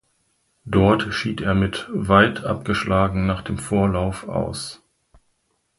Dort schied er mit weit abgeschlagen nach dem Vorlauf aus.